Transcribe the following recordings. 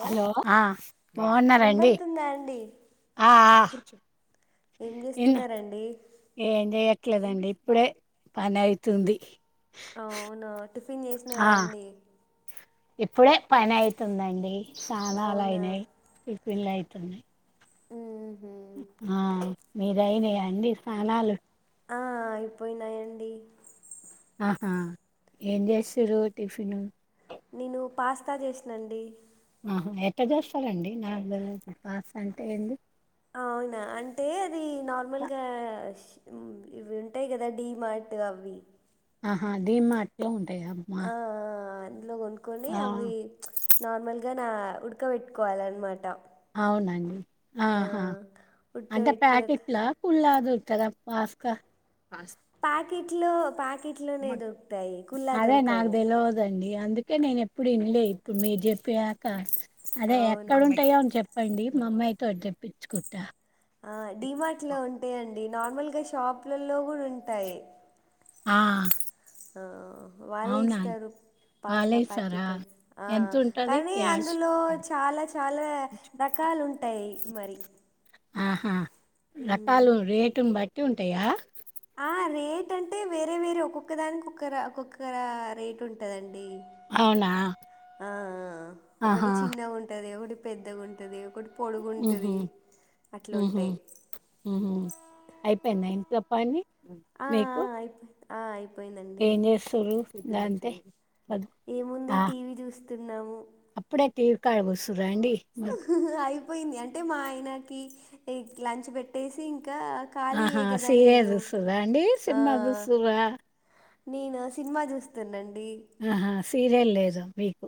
లో హలో ఆ బాగున్నారండి వినబడుతుందా అండి ఆ ఏం చేస్తున్నండి లేదండి ఇప్పుడే పని అవుతుంది అ అవునా టిఫిన్ చేసినారా ఆ అండి ఇప్పుడే పని అయితుందండి అవునా చాలాలైన ఇపిలైతే తన్నా ఊహూ ఆ మీరయినా అండి స్థనాలు అయిపోయినాయండి ఆహా ఏం చేస్తారు టిఫిన్ నేను పాస్తా చేసాండి ఆహా ఎట్ట చేస్తాండి నాలుభై రోజు పాస్ అంటే ఏంది అవునా అంటే అది నార్మల్గా ఇవి ఉంటాయి కదా డడిమార్ట్ అవి ఆహా అది మా అట్లా ఉంటంది అంటే అమ్మ కొని అ నార్మల్ గా నా ఉడకబెట్టుకోవాలన్నమాట అవునండి ఆ ఆహా అంటే ఉడకబెట్టుకున్న ప్యాకెట్లా కులా ట్ట మాస్కా ఫస్ ట్లో ఇట్లోనే దొరుకుతాయి కుల్లా అదే నాకు దొరకవు తెలవదండి అందుకే నేను ఎప్పుడు ఇనలే ఇప్పుడు మీరు చెప్పి అదే అవునా ఎక్కడంటాయో అని చెప్ చెప్పండి మా అమ్మాయితోటి తెప్పించుకుంటా ఆ డడిమార్ట్ లో ఉంటాయండి నార్మల్ గా షాపులలో కూడా ఉంటాయి ఆ ఆ వాళ్ళే అవునా ఇస్తారు వాళ్ళే పాస్తా ఇస్తారా ప్యాకెట్ అని ఎంత ఉంటది కానీ అందులో చాలా చాలా రకాలు ఉంటాయి మరి ఆహా హ్మ్. రకాల రేటు బట్ అ ఉంటాయా ఆ రేట్ అంటే వేరే వేరే ఒక్కొక్క దానికి ఒక్కర ఒక్కొక్కర రేట్ ఉంటదండి అవునా ఆ ఒకటి ఆహా చిన్నగా ఉంటది ఒటి పెద్దగా ఉంటది ఉహూ ఉహూ అట్లుంటాయి. ఉహూ అయిపేనాయి ఇంత అప్ పని మీకు అయి ఏం చేస్తుండ్రు నా అంతే పద- ఏముంది టీవీ చూస్తున్నావు టీవ్ కాడ కూసుండ్రా అండి అయిపోయింది అంటే మా ఆయనకి ఎయిట్ కి లంచ్ పెట్టేసి ఇం ఆహా సీరియేసుండ్రా అండి సినిమా జుస్తున్నారా నేనా సినిమా చూస్తున్నాండ్ రా ఆహా సీరియల్ లేదు మీకు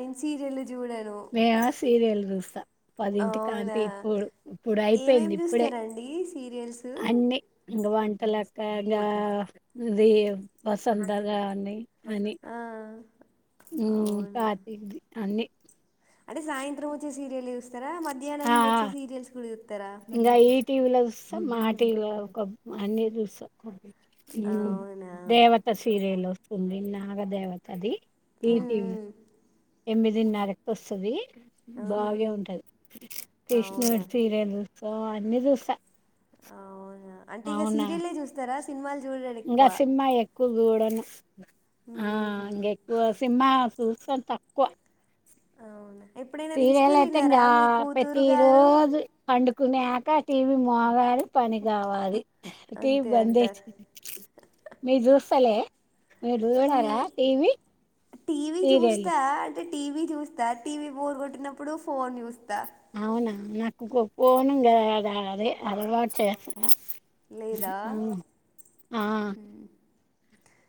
నే సీరియల్ చూడను మేమా సీరియల్ చూస్ పదింటికి కాంతి అవునా ఇప్పుడ్ ఇప్పుడు అయిపోయింది ఏమేమి ఇప్పుడే చూస్తారండి సీరియల్స్ అన్ని ఇంగా వన్ అలా కాదు అండి వెయ్యి వసంతాలుగానీ ఆ ఉ తాటింది అన్ని అదే సాయంత్రం వచ్చే సీరియల్సు తార మధ్యాహ్నం ఆ! ఆ! వచ్చి సీరియల్స్ కూడా చూతరా స మాటీవీ లో ఒక అన్ని చూసా హు అవునా దేవత సీరియలు తుంది నాగదేవత ది ఈటీవీ మ్మ్. ఏమిదిన్నరకి వస్తది ఆ. బాగే ఉంటది అవునా కృష్ణుడ్ సీరియలు సో అన్ని చూస్తా అవు అంటే ఇక సీరియల్ చూస్తారా సినిమాల్ ఇంకా సింహ ఎక్కువ గూడను ఆ మ్మ్హ్మ్. హ ఎక్కువ సినిమా జుస్తాం తక్కువ అవునా ఎప్పుడైనా తీసుకెళ్ళినారా తీరలటంగా మీ కూతురు ప్రతి గారు రోజు పండుకునే కా టీవీ మోగాలి పని కావాలి అంతే అంటారు బందేసి మీరు జు సాల మీ మీ జుడారా టీవి టీవీ చూస్తా అంటే టీవీ చూస్తా టీవీ బోర్ కొట్టినప్పుడు ఫోన్ చూస్తా అవునా నాకు ఫోన్ అది అలవాటు చేస్త లేదా ఆ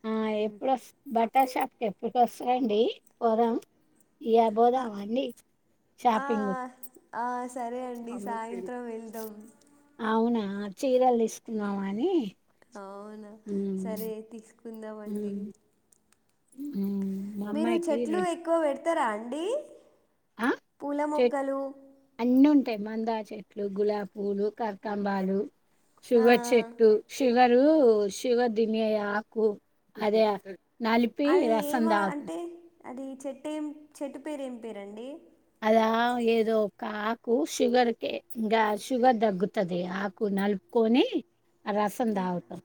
ఆ మ్మ్హ్మ్. ఎప్పుడు బట్ బట్టలషాప్కి ఎప్పుడు వస్తాండి పోదాం ఇబోదామా అండి ఆ, షాపింగ్ ఆ, సరే అండి సాయంత్రం వెళ్దాం ఆ చీరలు తీసుకుందాం అని అవునా సరే ఉమ్ తీసుకుందామండి ఉ మీరు చెట్లు ఎక్కువ పెడత అతార అండి ఆ పూల మొక్కలు మంధర చెట్లు గులాబ పూలు కరతంబాలు ఆ షుగర్ చెట్టు షుగర్ శివ దిమీయయ ఆకు అదే నలిపి అది రసం ఏమా దాగు అంటే అది చెట్టు ఏం చెట్టు పేరు ఏం పేరండి అలా ఏదో ఒక ఆకు షుగర్ క ఇంకా షుగర్ తగ్గుతుది ఆకు నలుపుకొని అ రాసందత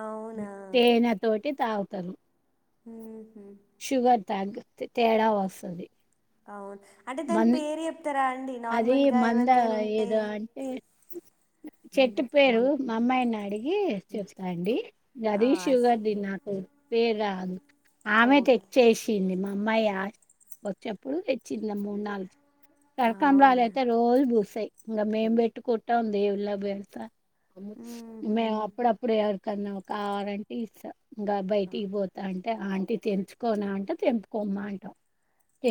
అవునా టేనా తోటి త తరు హ తగ్ తేడా వస్తుంది అవును అంటే తాన్ పేరు ఎప్తరా అది మంద ఏదో అంటే చెట్టు పేరు మా అమ్మాయిని అడిగి చెప్తాండి ఆ గది స్ శుగర్ దినకు వేరాదు ఆమె ఓకే తెచ్చేసింది మా అమ్మాయ ఒకచ్చప్పుడు తెచ్చింది మూడు నాలుగు కరకంరలు అవునా అయితే రోజు పూసాయి ఇంకా మేం పెట్టుకుంటా ఉ దేవుళ బేడస ఊహు అప్పుడప్పుడే అన్నావు కావాలంటే ఇస్తాం ఇంకా బయటికి పోతా అంట ఆంటీ తెంచుకోన అంట తెంపుకోమ్మ అంటాం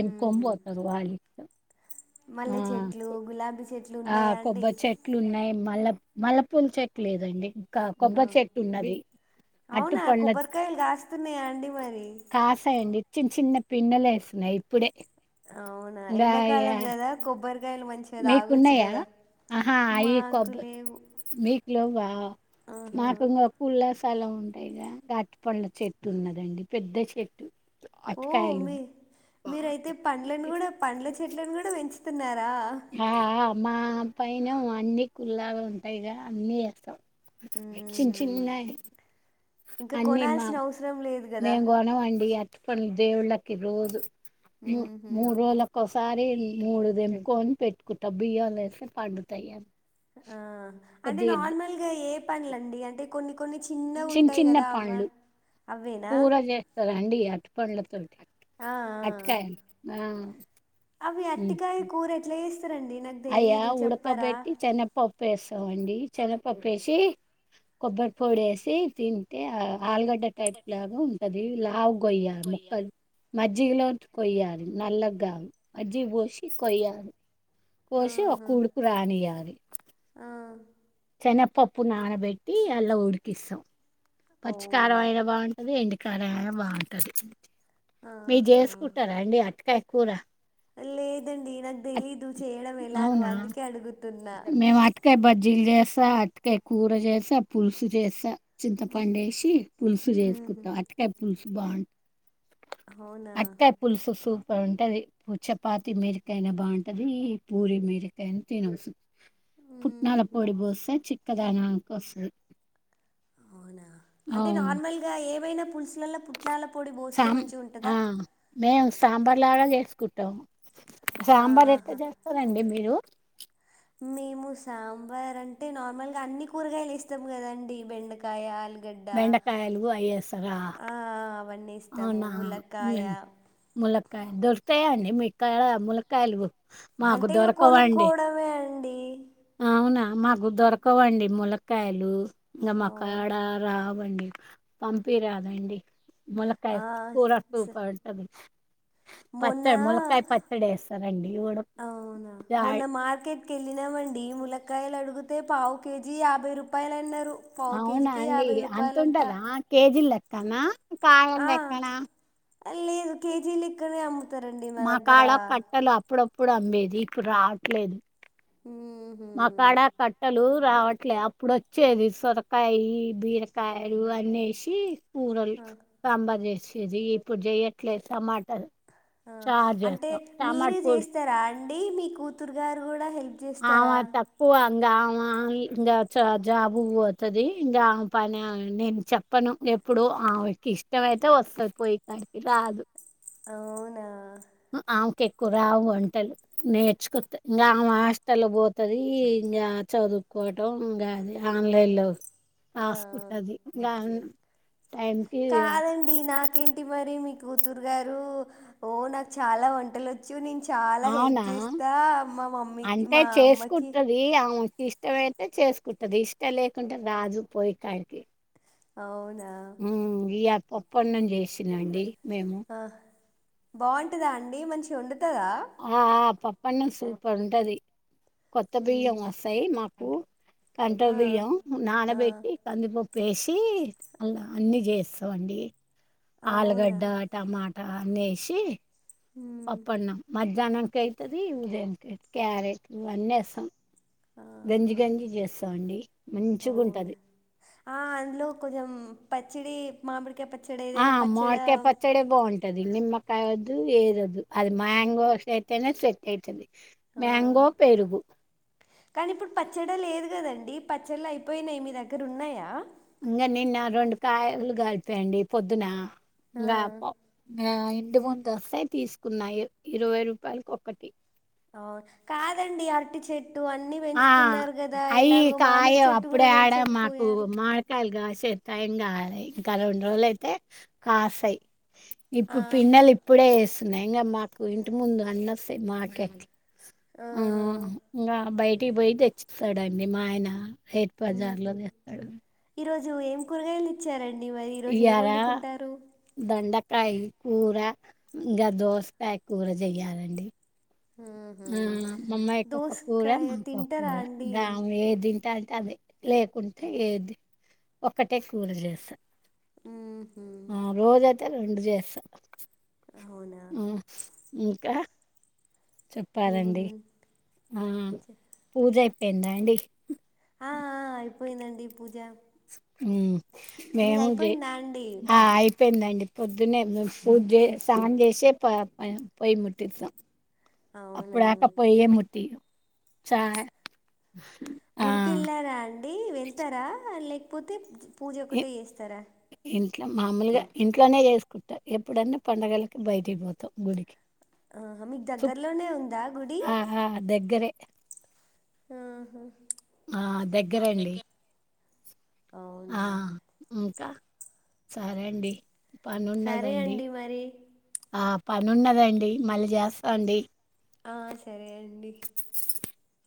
ఎంకొం ఊహు పోతారు వాల మల్లె చెట్లు గులాబీ చెట్లు ఉన్నాయా అండి కొబ్బరి చెట్లు మల్ల మల్ల పూలు చెక్కలేదండి ఆ కొబ్బరి చెట్టు ఉన్నది అట్టు అవునా పంల కొబ్బరికాయలు కాస్తున్నాయా అండి మరి కాసయండి చిన్న చిన్న పిన్నలు వేస్తున్నాయి ఇప్పుడే అవునా ఇంకా ఎన్నకాలంగా కదా కొబ్బరికాయలు మంచి మీకున్నాయా ఆహా అవి మాకు కొబ్ లేవు మీ ఎ వా ఆహా నాకుంగ అప్పుల్లా చాలా ఉంటాయిగా తటిపండ్ల చెట్టు ఉన్నదండి పెద్ద చెట్టు ఓ అరటికాయలు మీ మీరయితే పండ్లను కూడా పండ్ల చెట్లను కూడా పెంచి తునార్ ఆ మా పైన అన్ని కుల్లాగా ఉంటాయి ఇ అన్ని వస్తాం మ్మ్హ్మ్. వక్షించన్నాయి ఇంకా అన్నీ మా కొనాల్సిన అవసరం లేదు కదా మేంగనం వండి అట్ ప్ప దేవుళ్ళకి ఇరుదు మ్మ్హ్మ్. మరు వోలకు వస్తం ఒకసారి మూడు దంపుకొని పెట్టుకుంటా బియ్యలు వేస్తే పండుతాయ ఆ అంటే నార్మల్ గా ఏ బన లేండి అంటంటి కొన్ని కొన్ని చిన్నవి చిన్న ఉంటాయి చిన్న కదా అవ్వ పండ్లు అవేనా కూర చేస్తారండి అటుపండ్లతో ఆ, ఆ. అట్కాయ ఆ అవి ఉమ్. అట్టికాయ కూరెట్లే అయ్యా ఉడకబట్టి చెన్నప్పప్పు పప్పుస్తామండి చిన్నపప్పేసి కొబ్బరి పొడి వేసి తింటే ఆలుగడ్డ టైప్ లాగా ఉంటది లా అవు కుయ ముక్కలు మజ్జిగలో కొయ్యాలి నల్ల కాదు మజ్జిగ పోసి కొయ్యాలి కోసి ఒక ఆహా ఉడుకు రానియ్వాలి ఆ శనపప్పు నానబెట్టి అలా ఉడికిస్తాం అవునా పచ్చికారం అయినా బాగుంటది ఎండక కడే బాగుంటది మీ ఆహా చేసుకుంటారా అండి అట్కా కూరా లేదండి న నాగ తెలీదు చేయడం ఎలాగో అవునా అందుకే అడుగుతున్నా అటుకాయ కూర చేస్తా పులుసు చేస్తా చింత పండేేశి పులుసు ఉహు చేసుకుంటాం అటుకాయ పులుసు బంద అవునా అక్కా పుల్సుసు బాగుంటది చపాతి మిరకాయయినా బాగుంటది పూరి మిరకాయనా తినవసంది ఫుట్నాల ఉహు పోడిపోసా చ అక్కదనా కోసరు అవునా అంటే నార్మల్ గా ఏమైనా పల్స్ పుట్నాల పొడి పోస్తే మంచి ఉంటుందా సాంబార్లాగా చేసుకుట్టాం సాంబార్ ఎక్క ఆహా చేస్తారండి మీరు మేము సాంబార్ అంటే నార్మల్గా అన్ని కూరగాయలు ఇస్తాము కదండి బెండకాయలు బెండకాయలు అయ్యసరా ఆ అవన్నీ వేస్తాము అవునా ములక్కాయ ములక్కయ దోస తా అండి మీకాడ ముల్లకాయలు అంటే ఇక కొనుక్కోవడమే అండి ఈ అవునా మాకు దొరకవండి ములక కాయలు నమ అవును అకాడ రా ఇవ్వండి పంపిరాదండి ముల్లకాయ ఆ కూరుకు స సూపర్ ఉంటాది మొన్న వేస్తారండి ఉడక అవునా మొన్న మార్కెట్కి వెళ్ళినామం అ ముల్కాయలు అడిగితే పావు కేజీ యాభై రూపాయలు అన్నారు పావు అవునా కేజీకి అండి యాభై రూపాయలంట అతుంటదా కేజీలు లెక్కనా కాయల ఆ ఎక్కనా లేదు కేజీ ఎక్కనే అమ్ మా కాళ్ళ కట్టలు అప్పుడప్ ఇప్పుడు అమ్మేది ఇప్పుడు రావట్లేదు ఊహూ మకాడ కట్టలు రావట్లేదు అప్పుడు వచ్చేది సొరకాయ బీరకాయలు అనేసి ఊరలు ఆ సాంబార్ చేసి ఇది ఇప్పుడు చెయ్యట్లేదు టమాటర్ ఆ అంటే మీరే పొడి చేస్తారా అ అండి మీ కూతురు గారు కూడా హెల్ప్ ఆ చేస్తారా తక్కువ ఇంకా ఇంకా జాబు పోతుంది ఇంకామె పని నేను చెప్పను ఎప్పుడు ఆమెకి ఇష్టం అయితే వస్తంది పోయ కాడికి రాదు అవునా ఆమెకు ఎక్కువ రావు వంటలు నేర్చుకుస్త ఇంకా ఆమె హాస్టల్లో పోతుది ఇంకా చదువుకోవటం ఇంకా అది ఆన్లైన్ లో ఆ ఆ రాసుకుంటది టైంకి కాదండి నాకేంటి మరి మీ కూతురు గారు ఓ నాకు చాలా వంటలుొచ్చు నను చాలా హెల్ప్ అవునా చేస్తా మా మమ్మీకి మా అమ్మకి ఇష్టమ అయితే చేసుకుంటది ఇష్టం లేకుంటే రాజు పోయికానికి అవును పప్పన్నం చేసినండి మేము బాగుంటదా అండి మంచిగా ఉండ ఆ పా పన్నం స పడుంట అది కొత్త మ్మ్. బియ్యం వస్తాయి మాకు కంట ఆ, బయ్యం ఆ, నాాలబటి కందిపో వేసి అలా అన్నీ చేస్తామండి అవునా ఆలుగడ్డ టమాట త నసి మ్మ్. పప్ప అనం మధ్యాహ్నంనికి అవుతుది ఉదక అ క్యారెట్ ఇవన్నస్తాం ఆహా మంచిగా అవును ఉంటుంది ఆ అందులో కొంచెం పచ్చడి మామిడికాయ ప ఆ మోడక పచ్చడి బా ఉంటది నిమ్మకాయదు ఏదద్దు అది మ్యాంగో వష అయితేనే సెట్ అయితుది ఆ కానీ ఇప్పుడు పచ్చడి లేదు కదండి అండి పచ్చళ్ అయిపోయినాయి మీ దగ్గర ఉన్నాయా ఇంకా నిన్న రెండు కాయలు కలిపయండి పొద్దున ఆ రాప ఆ ఎ వంద వస్తాయి తీసుకున్నాయి ఇరవై రూపాయలకి ఒకటి అవు కాదండి అరటి చేతి ఆ అయి మామిడి కాయవ్ చెట్టు కూడా అప్పుడే ఆడా మాకు పెంచకపోయారు మార్కాయలు కాసే తైంగాల ఇంకా అలా ఉండ ర వాళ్ అయితే కాశై ఇప్పు ఆహా పన్నలు ఇప్పుడే నంగా మాకు ఇంటి ముందు అన్న వస్తాయి మాక ఆ ఆహా ఇకా బయటి టీ పోయి తెచ్చిస్తాడాన్డి మాయన హెట్ బజార్లో తెస్తాడు జు ఏమ్ కూరగాయలు తెచ్చారన్డి ఇయ్యాల దొండకాయ్ కూర ఇన్గా దోస్కాయ కూర చెయ్యాలండి ఉహు ఉమ్ మామ్మయ్కోక కురా దోసకాయ మాకొక తింటారా కూర అండి గామె ఏదింటె అది అదే లేకుంటే ఏది ఒక్కటే కూర జేస్త ఆమ్ హ రం చేసా అవునా ఇంకా చెప్పాలండి ఏముంది ఆ పూజ ఎందడి పోయిందండి ఈ పూజ అ మీది మేముది అయిపోయిందా అండి ఆ అయిపోయిందండి పొద్దున్నే పూజ సాం చేసే పోయి ముటిస్తం అప్పుడు అవునా ఆకపోయి ఏమటి చా ఆ గుడికిళ్ళారా అడి వెళ్తారా లేక్ ప్రతి పూజ ఒకక్కటే చేస్తారా ఇట్లా మామూలుగా ఇంట్లోనే చేసుకుంటా ఎప్పుడన్నా పండడుగలకి బయటకి పోతాం గుడికి ఆహ మీకు సు దగ్గర్లోనే ఉందా గుడి ఆ ఆ దగ్గరే ఆహా! ఆ దగ్గరండి ఆ అవునా! ఇంకా సరే అండి సరే పనిన్నదండి అండి మరి. ఆ పని ఉన్నదండి మళ్ళీ చేస్తాండి ఆ సరే అండి [unintelligible]